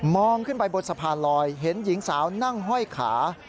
ขึ้นไปบนสะพานลอยเห็นหญิงสาวนั่งห้อยขา